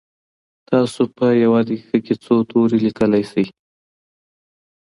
تاسو په یوه دقیقه کي څو توري لیکلی سئ؟